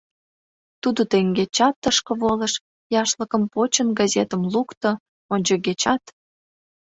Тудо теҥгечат тышке волыш, яшлыкым почын, газетым лукто, ончыгечат...